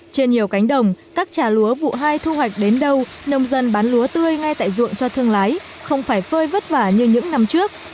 trên nhiều cánh đồng các trà lúa vụ hai thu hoạch đến đâu nông dân bán lúa tươi ngay tại ruộng cho thương lái không phải phơi vất vả như những năm trước